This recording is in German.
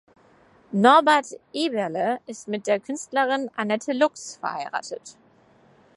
Norbert Eberle ist mit der Künstlerin Annette Lucks verheiratet.